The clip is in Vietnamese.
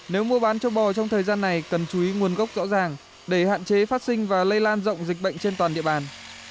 nếu mua bán châu bò trong thời gian này cần chú ý nguồn gốc rõ ràng để hạn chế phát sinh và lây lan rộng dịch bệnh trên toàn địa bàn